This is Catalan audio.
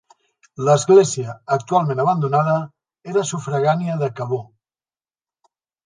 L'església, actualment abandonada, era sufragània de Cabó.